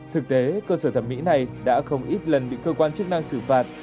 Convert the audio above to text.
thực tế cơ sở thẩm mỹ này đã không ít lần bị cơ quan chức năng xử phạt